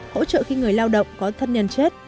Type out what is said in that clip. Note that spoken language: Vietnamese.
hỗ trợ khi người lao động có thân nhân chết